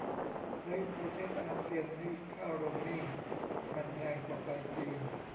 เฮ้ยประเทศอาเซียนนี่ค่าโรมมิ่งมันแพงกว่าไปจีน